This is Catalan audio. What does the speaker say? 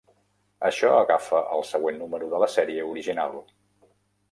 Això agafa el següent número de la sèrie original.